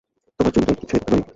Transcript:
তোমার চুলটা একটু ছুঁয়ে দেখতে পারি?